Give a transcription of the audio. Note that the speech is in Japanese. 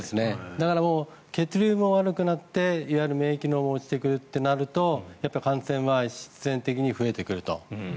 だから血流も悪くなっていわゆる免疫も落ちてくるとなると感染は必然的に増えてくると。